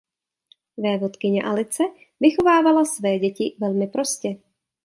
Vévodkyně Alice vychovávala své děti velmi prostě.